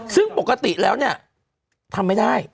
ซึ่งปกติแล้วเนี่ยทำไม่ได้